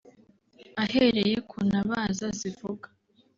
Ahereye ku ntabaza zivuga